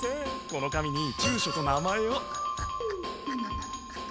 この紙に住所と名前を。